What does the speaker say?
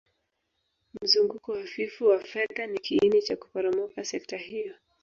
Mzunguko hafifu wa fedha ni kiini cha kuporomoka sekta hiyo